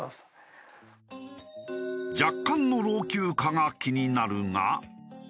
若干の老朽化が気になるが。